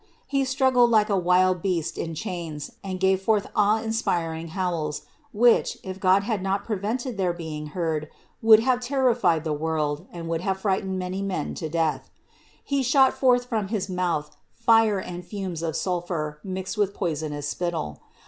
He struggled like a wild beast in chains and gave forth awe inspiring howls, which, if God had not prevented their being heard, would have terrified the world and would have frightened many men to death. He shot forth from his mouth fire and fumes of sulphur mixed with poisonous spittle.